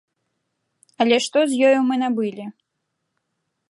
Але што з ёю мы набылі?